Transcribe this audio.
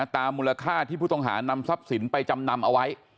ตามมูลค่าที่ผู้ต้องหานำทรัพย์สินไปจำนำเอาไว้